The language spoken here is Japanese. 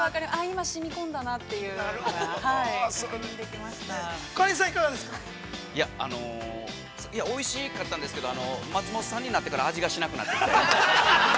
◆いや、あの、おいしいかったんですけど、松本さんになってから、味がしなくなって。